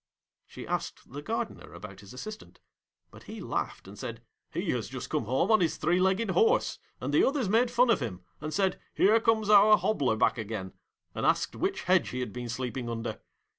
She asked the Gardener about his assistant, but he laughed, and said, 'He has just come home on his three legged horse, and the others made fun of him, and said, "Here comes our hobbler back again," and asked which hedge he had been sleeping under.